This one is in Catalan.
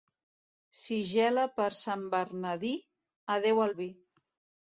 Si gela per Sant Bernadí, adeu al vi.